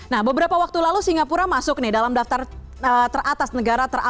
nah beberapa waktu lalu singapura masuk nih dalam daftar teratas negara terangkat